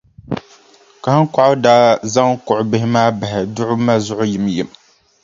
Kahiŋkɔɣu daa zaŋ kuɣʼ bihi maa bahi duɣu ma zuɣu yimyim.